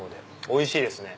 おいしいですね。